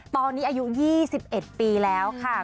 ตอนนี้อายุ๒๑ปีแล้วค่ะ